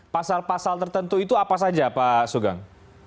pasal pasal tertentu itu apa saja pak sugeng